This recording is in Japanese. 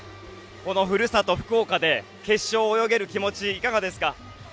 故郷・福岡で決勝を泳げる気持ち、いかがですか？